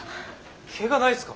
ケガないっすか？